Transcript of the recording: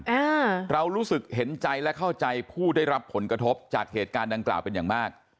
อ่าเรารู้สึกเห็นใจและเข้าใจผู้ได้รับผลกระทบจากเหตุการณ์ดังกล่าวเป็นอย่างมาก